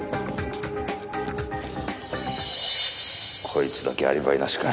こいつだけアリバイなしか。